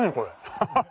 ハハハ！